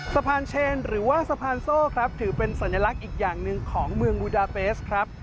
สะพานเชนหรือว่าสะพานโซ่ครับถือเป็นสัญลักษณ์อีกอย่างหนึ่งของเมืองบูดาเตสครับ